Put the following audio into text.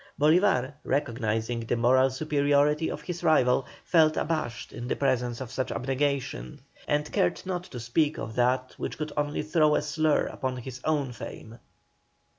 Bolívar, recognising the moral superiority of his rival, felt abashed in the presence of such abnegation, and cared not to speak of that which could only throw a slur upon his own fame.